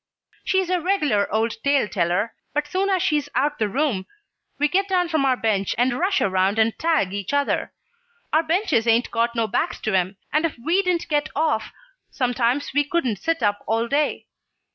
"She's a regular old tale teller, but soon as she's out the room we get down from our bench and rush around and tag each other. Our benches 'ain't got no backs to 'em, and if we didn't get off sometimes we couldn't sit up all day.